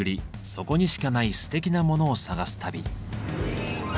そこにしかないすてきなモノを探す旅。